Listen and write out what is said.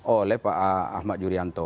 oleh pak ahmad jurianto